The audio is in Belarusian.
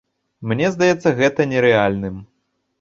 Мне здаецца гэта нерэальным.